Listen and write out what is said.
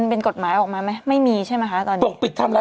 เป็นความผิดหมะครับ